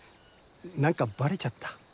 何かバレちゃった？